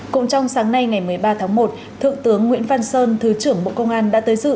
cũng trong sáng nay ngày một mươi ba tháng một thượng tướng nguyễn văn sơn thứ trưởng bộ công an đã tới dự